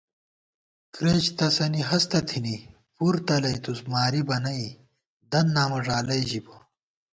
کرېچ تسَنی ہستہ تھنی پُر تلَئیتُوس مارِبہ نئ دن نامہ ݫالَئ ژِبہ